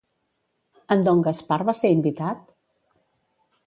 En don Gaspar va ser invitat?